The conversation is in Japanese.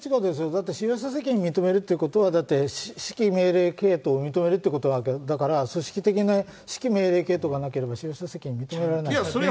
だって使用者責任認めるということは、だって、指揮命令系統を認めるっていうことだから、組織的な指揮命令系統がなければ使用者責任認められない。